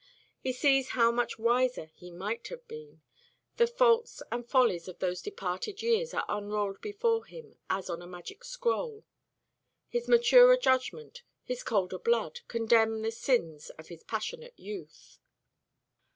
He sees how much wiser he might have been. The faults and follies of those departed years are unrolled before him as on a magic scroll. His maturer judgment, his colder blood, condemn the sins of his passionate youth.